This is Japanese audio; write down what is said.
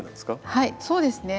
はいそうですね。